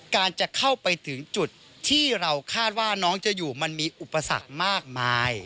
การจะเข้าไปถึงจุดที่เราคาดว่าน้องจะอยู่มันมีอุปสรรคมากมาย